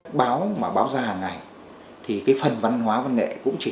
tờ báo văn hóa văn nghệ